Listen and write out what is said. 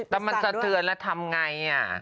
ตำรับสะเทือนแล้วทำไง